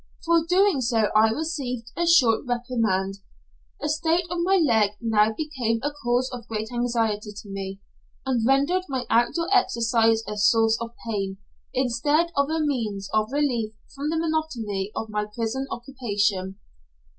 For doing so I received a short reprimand. The state of my leg now became a cause of great anxiety to me, and rendered my out door exercise a source of pain, instead of a means of relief from the monotony of my prison occupation.